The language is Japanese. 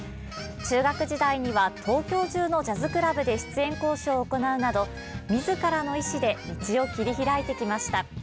中学時代には東京中のジャズクラブで出演交渉を行うなど自らの意思で道を切り開いてきました。